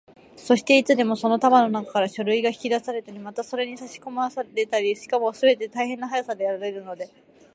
そして、いつでもその束のなかから書類が引き出されたり、またそれにさしこまれたりされ、しかもすべて大変な速さでやられるので、